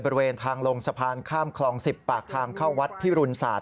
บริเวณทางลงสะพานข้ามคลอง๑๐ปากทางเข้าวัดพิรุณศาสต